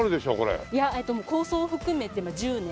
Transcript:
いや構想を含めて１０年。